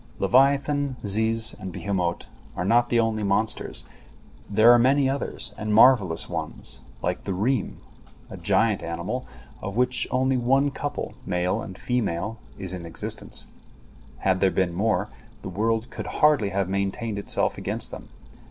Leviathan, ziz, and behemot are not the only monsters; there are many others, and marvellous ones, like the reem, a giant animal, of which only one couple, male and female, is in existence. Had there been more, the world could hardly have maintained itself against them.